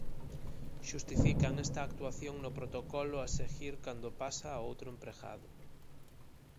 Xustifican esta actuación no protocolo a seguir cando pasa a outro empregado.